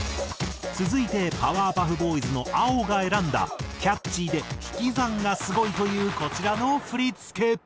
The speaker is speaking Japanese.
続いてパワーパフボーイズのＡＯが選んだキャッチーで引き算がすごいというこちらの振付。